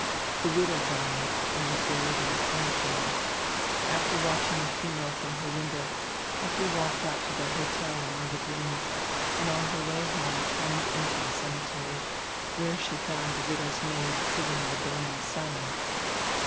The widow died and was buried in die cemetery. After watching die funeral from her window Effi walked out to die hotel among die dunes and on her way home turned into die cemetery, where she found the widow's maid sitting in die burning sun.